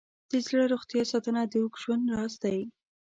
د زړه روغتیا ساتنه د اوږد ژوند راز دی.